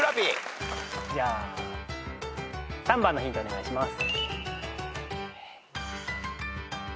じゃあ３番のヒントお願いします。